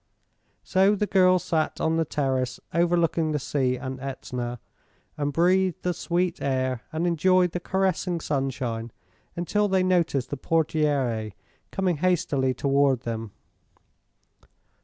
So the girls sat on the terrace overlooking the sea and Etna, and breathed the sweet air and enjoyed the caressing sunshine, until they noticed the portiere coming hastily toward them.